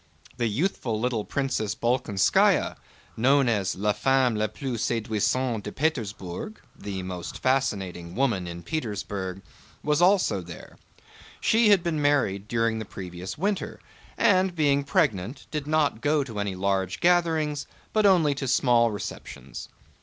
The youthful little Princess Bolkónskaya, known as la femme la plus séduisante de Pétersbourg, * was also there. She had been married during the previous winter, and being pregnant did not go to any large gatherings, but only to small receptions.